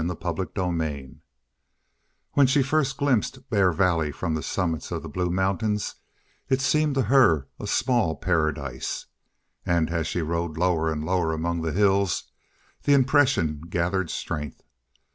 CHAPTER 37 When she first glimpsed Bear Valley from the summits of the Blue Mountains, it seemed to her a small paradise. And as she rode lower and lower among the hills, the impression gathered strength.